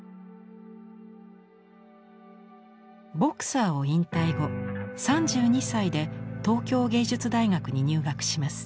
ボクサーを引退後３２歳で東京藝術大学に入学します。